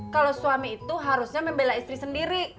kalau suami itu harusnya membela istri sendiri